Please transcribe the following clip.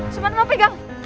sumpah teman teman pegang